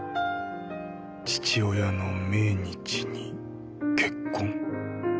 父親の命日に結婚